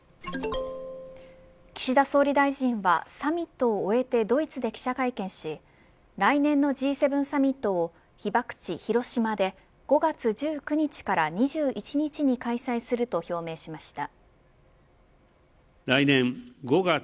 岸田総理大臣はサミットを終えてドイツで記者会見し来年のＧ７サミットを被爆地広島で５月１９日から２１日に開催すると表明しました。